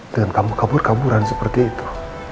dengan kabur kabur kaburan seperti itu